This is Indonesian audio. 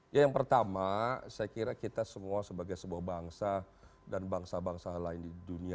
ya yang pertama saya kira kita semua sebagai sebuah bangsa dan bangsa bangsa lain di dunia